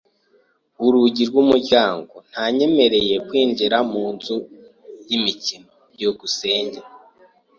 Urugi rw'umuryango ntanyemereye kwinjira mu nzu y'imikino. byukusenge